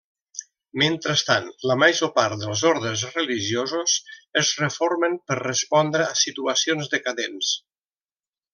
Mentrestant, la major part dels ordes religiosos es reformen per respondre a situacions decadents.